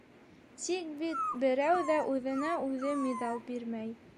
- Тик бит... берәү ҙә үҙенә-үҙе миҙал бирмәй.